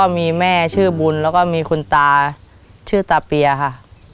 มีแม่ชื่อบุญแล้วก็มีคุณตาชื่อตาเปียค่ะ